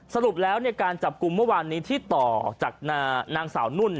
สรุปแล้วการจับกลุ่มเมื่อวานนี้ที่ต่อจากนางสาวนุ่น